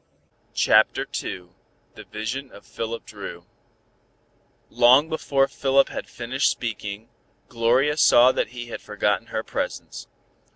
CHAPTER II THE VISION OF PHILIP DRU Long before Philip had finished speaking, Gloria saw that he had forgotten her presence.